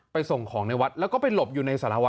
ส่งของในวัดแล้วก็ไปหลบอยู่ในสารวัต